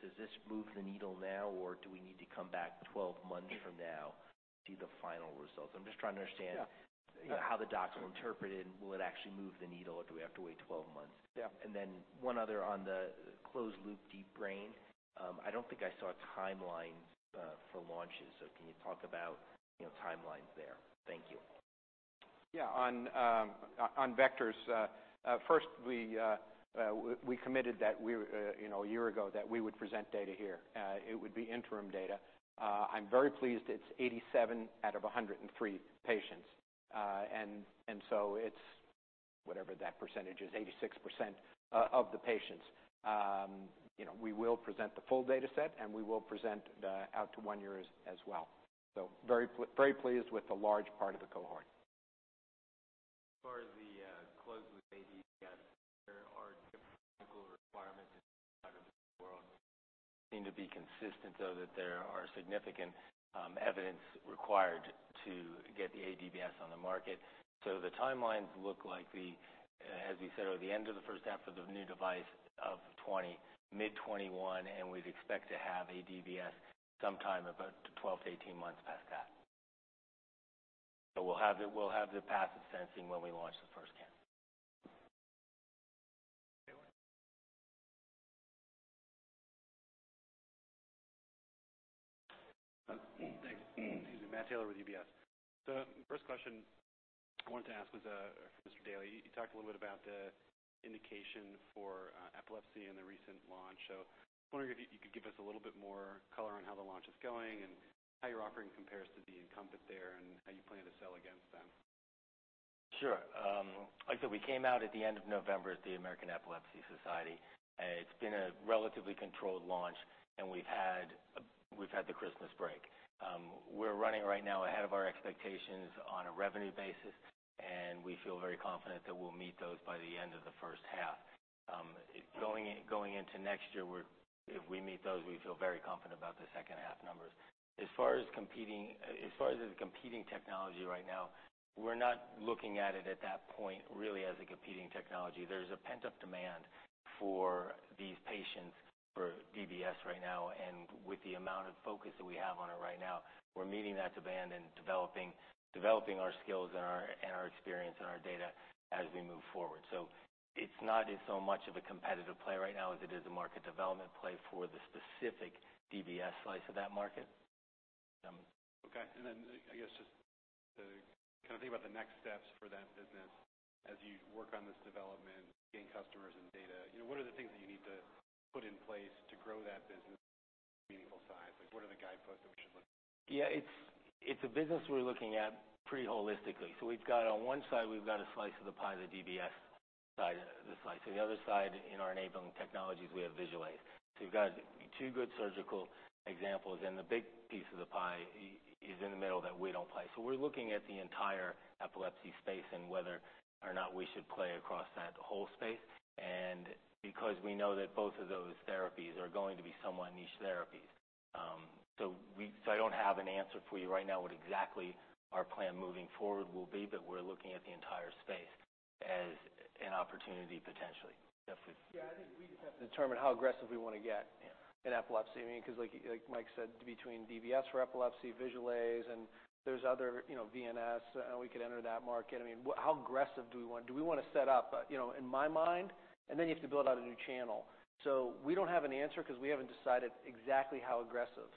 Does this move the needle now, or do we need to come back 12 months from now to see the final results? I'm just trying to understand how the docs will interpret it, will it actually move the needle, or do we have to wait 12 months? Yeah. One other on the closed loop deep brain. I don't think I saw timelines for launches. Can you talk about timelines there? Thank you. Yeah. On Vectors, first, we committed a year ago that we would present data here. It would be interim data. I'm very pleased it's 87 out of 103 patients, whatever that percentage is, 86% of the patients. We will present the full data set, and we will present out to one year as well. Very pleased with the large part of the cohort. As far as the closed loop aDBS, there are different technical requirements out of the world. Seem to be consistent, though, that there are significant evidence required to get the aDBS on the market. The timelines look like the, as we said, or the end of the first half of the new device of 2020, mid 2021, and we'd expect to have aDBS sometime about 12-18 months past that. We'll have the passive sensing when we launch the first count. Matt Taylor. Thanks. Excuse me. Matt Taylor with UBS. First question I wanted to ask was for Mr. Daly. You talked a little bit about the indication for epilepsy and the recent launch. I was wondering if you could give us a little bit more color on how the launch is going and how your offering compares to the Encompass there and how you plan to sell against them? Sure. Like I said, we came out at the end of November at the American Epilepsy Society. It's been a relatively controlled launch, and we've had the Christmas break. We're running right now ahead of our expectations on a revenue basis, and we feel very confident that we'll meet those by the end of the first half. Going into next year, if we meet those, we feel very confident about the second half numbers. As far as the competing technology right now, we're not looking at it at that point really as a competing technology. There's a pent-up demand for these patients for DBS right now. With the amount of focus that we have on it right now, we're meeting that demand and developing our skills and our experience and our data as we move forward. It's not in so much of a competitive play right now as it is a market development play for the specific DBS slice of that market. Okay. I guess just to think about the next steps for that business as you work on this development, gain customers and data, what are the things that you need to put in place to grow that business to a meaningful size? What are the guideposts that we should look for? Yeah. It's a business we're looking at pretty holistically. We've got on one side, we've got a slice of the pie, the DBS side of the slice. On the other side, in our enabling technologies, we have Visualase. You've got two good surgical examples, and the big piece of the pie is in the middle that we don't play. We're looking at the entire epilepsy space and whether or not we should play across that whole space. Because we know that both of those therapies are going to be somewhat niche therapies. I don't have an answer for you right now what exactly our plan moving forward will be, but we're looking at the entire space as an opportunity potentially. Yeah. I think we just have to determine how aggressive we want to get. Yeah. In epilepsy. Like Mike said, between DBS for epilepsy, Visualase, there's other vagus nerve stimulation, we could enter that market. How aggressive do we want to set up? In my mind, you have to build out a new channel. We don't have an answer because we haven't decided exactly how aggressive.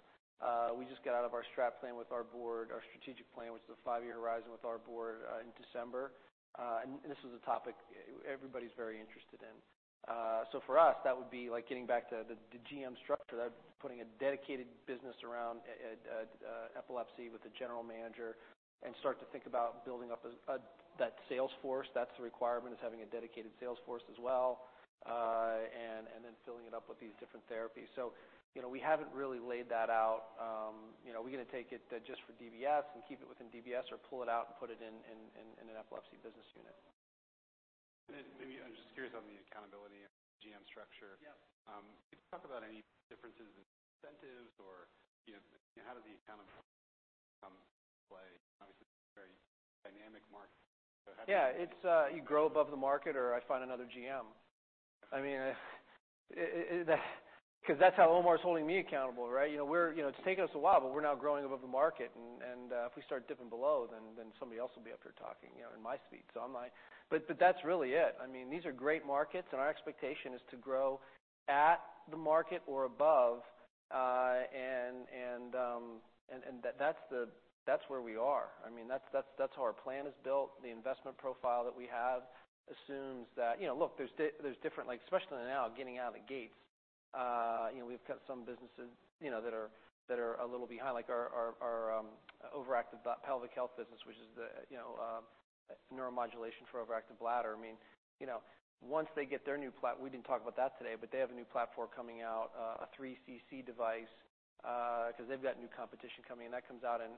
We just got out of our strat plan with our board, our strategic plan, which is a five-year horizon with our board in December. This was a topic everybody's very interested in. For us, that would be like getting back to the GM structure, putting a dedicated business around epilepsy with the general manager and start to think about building up that sales force. That's the requirement, is having a dedicated sales force as well, and then filling it up with these different therapies. We haven't really laid that out. We're going to take it just for DBS and keep it within DBS or pull it out and put it in an epilepsy business unit. Maybe, I'm just curious on the accountability and GM structure. Yeah. Can you talk about any differences in incentives or how does the accountability come into play? Obviously, it's a very dynamic market. Yeah. You grow above the market or I find another GM. That's how Omar's holding me accountable, right? It's taking us a while, but we're now growing above the market. If we start dipping below, then somebody else will be up here talking in my seat. That's really it. These are great markets. Our expectation is to grow at the market or above, and that's where we are. That's how our plan is built. The investment profile that we have assumes that Look, there's different, especially now getting out of the gates, we've got some businesses that are a little behind, like our overactive Pelvic Health business, which is the neuromodulation for overactive bladder. Once they get their new platform. We didn't talk about that today, they have a new platform coming out, a 3 cc device, because they've got new competition coming in. That comes out in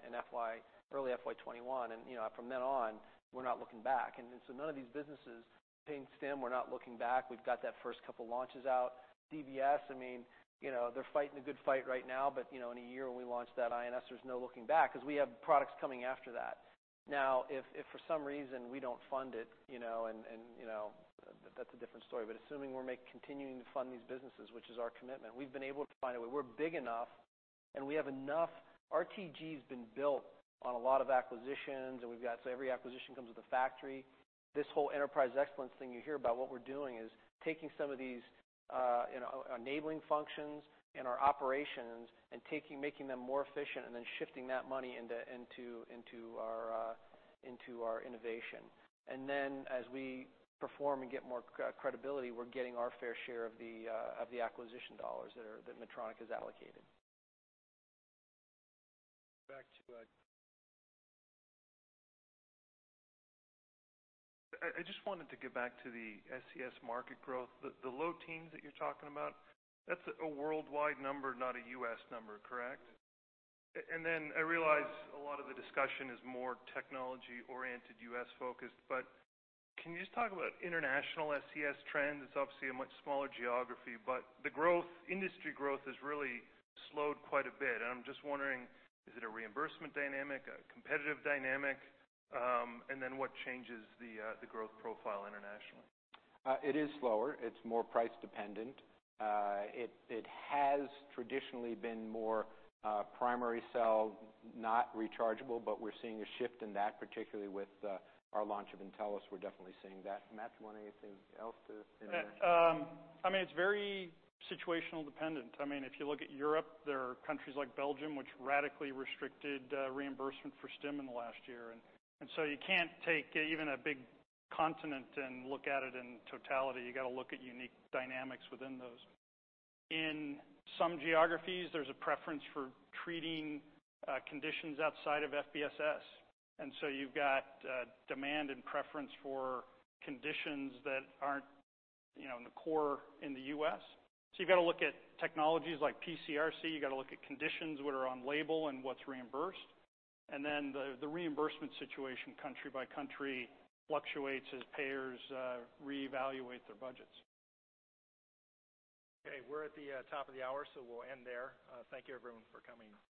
early FY 2021. From then on, we're not looking back. None of these businesses, Pain Stim, we're not looking back. We've got that first couple launches out. DBS, they're fighting the good fight right now. In a year when we launch that INS, there's no looking back because we have products coming after that. If for some reason we don't fund it, that's a different story. Assuming we're continuing to fund these businesses, which is our commitment, we've been able to find a way. We're big enough. Our RTG's been built on a lot of acquisitions. Every acquisition comes with a factory. This whole enterprise excellence thing you hear about, what we're doing is taking some of these enabling functions in our operations and making them more efficient, shifting that money into our innovation. As we perform and get more credibility, we're getting our fair share of the acquisition dollars that Medtronic has allocated. Back to Ed. I just wanted to get back to the SCS market growth. The low teens that you're talking about, that's a worldwide number, not a U.S. number, correct? Yeah. I realize a lot of the discussion is more technology-oriented, U.S.-focused, can you just talk about international SCS trends? It's obviously a much smaller geography, the industry growth has really slowed quite a bit, I'm just wondering, is it a reimbursement dynamic, a competitive dynamic? What changes the growth profile internationally? It is slower. It's more price dependent. It has traditionally been more primary cell, not rechargeable, we're seeing a shift in that, particularly with our launch of Intellis. We're definitely seeing that. Matt, want anything else? It's very situational dependent. If you look at Europe, there are countries like Belgium which radically restricted reimbursement for stim in the last year, you can't take even a big continent and look at it in totality. You got to look at unique dynamics within those. In some geographies, there's a preference for treating conditions outside of failed back surgery syndrome, you've got demand and preference for conditions that aren't in the core in the U.S. You got to look at technologies like persistent spinal pain syndrome, you got to look at conditions, what are on label and what's reimbursed. The reimbursement situation country by country fluctuates as payers reevaluate their budgets. Okay. We're at the top of the hour, so we'll end there. Thank you everyone for coming.